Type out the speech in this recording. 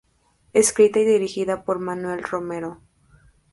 Escrita y dirigida por Manuel Romero.